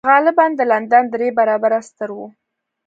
غالباً د لندن درې برابره ستر و